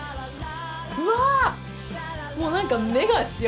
うわ！